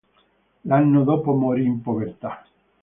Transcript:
L'anno dopo morì in povertà.